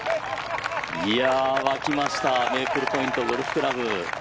沸きましたメイプルポイントゴルフクラブ。